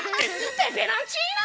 ペペロンチーノ！